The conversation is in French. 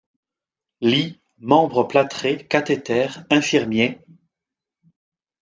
Lit, membres plâtrés, cathéter, infirmier…